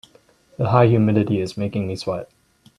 The high humidity is making me sweat.